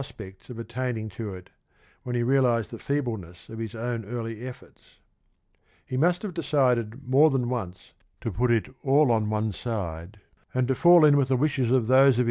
spects of attaining to it when he realised the feebleness of his own early efforts. He must have decided more than once to put it all on one side and to fall in with ihe wishes of those of his 1 Colvin, Life of Kcdts, p.